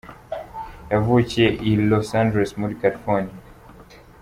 Yavukiye i Los Angeles muri California.